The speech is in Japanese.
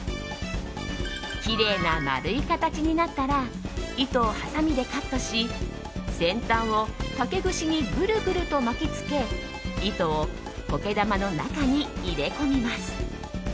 きれいな丸い形になったら糸をはさみでカットし先端を竹串にグルグルと巻きつけ糸を苔玉の中に入れ込みます。